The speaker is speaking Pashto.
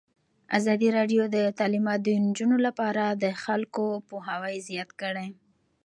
ازادي راډیو د تعلیمات د نجونو لپاره په اړه د خلکو پوهاوی زیات کړی.